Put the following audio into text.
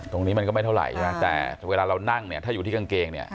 มันก็ไม่เท่าไหร่ใช่ไหมแต่เวลาเรานั่งเนี่ยถ้าอยู่ที่กางเกงเนี่ย